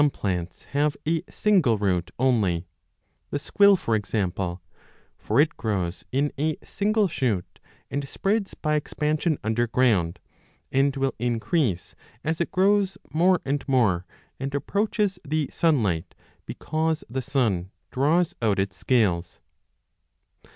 5 820* only, the squill for example ; for it grows in a single shoot ^5 and spreads by expansion underground, and will increase as it grows more and more and approaches the sunlight, because the sun draws out its scales.